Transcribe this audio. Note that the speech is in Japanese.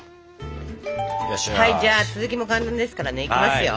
じゃあ続きも簡単ですからねいきますよ。